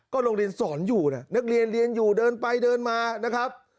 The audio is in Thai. โรงเรียนสอนอยู่นะนักเรียนเรียนอยู่เดินไปเดินมานะครับ